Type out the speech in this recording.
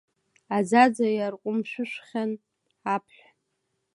Аӡаӡа иарҟәымшәышәхьан аԥҳә.